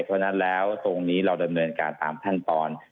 เพราะฉะนั้นแล้วตรงนี้เราดำเนินการตามขั้นตอน